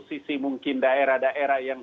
sisi mungkin daerah daerah yang